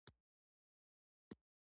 نه اواز شته نه اواز د مدد ګير شته